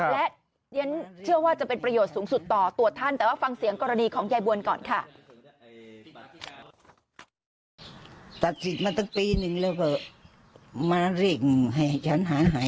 และฉันเชื่อว่าจะเป็นประโยชน์สูงสุดต่อตัวท่านแต่ว่าฟังเสียงกรณีของยายบวนก่อนค่ะ